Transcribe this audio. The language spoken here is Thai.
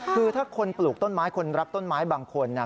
คือถ้าคนปลูกต้นไม้คนรักต้นไม้บางคนเนี่ย